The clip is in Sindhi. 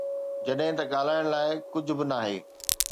جڏهن ته ڳالهائڻ لاءِ ڪجهه به ناهي.